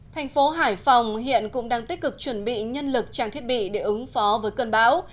thành phố hải phòng hiện cũng đang tích cực chuẩn bị nhân lực trang thiết bị để ứng phó với cơn bão